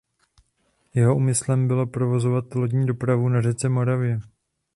Jeho úmyslem bylo provozovat lodní dopravu na řece Moravě.